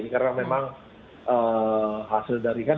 karena memang hasil dari kan